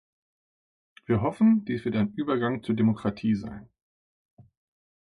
Wir hoffen, dies wird ein Übergang zur Demokratie sein.